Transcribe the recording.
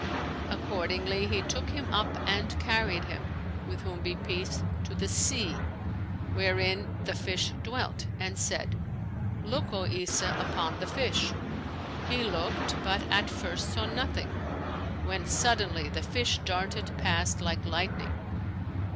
Accordingly, he took him up and carried him (with whom be peace!) to the sea, wherein the fish dwelt, and said, 'Look, O Isa, upon the fish.' He looked but at first saw nothing, when, suddenly, the fish darted past like lightning.